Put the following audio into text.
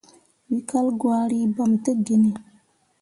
We kal gwari, bam tə genni.